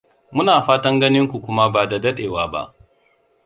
Muna fatan ganinku kuma ba da dadewa ba.